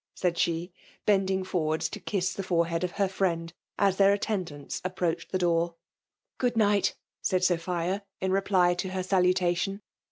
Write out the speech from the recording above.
'' said she, bending forward to kiss the forehead of her friend, as their attendants approached the door. '' Good night," said Sophia in reply to her salutation.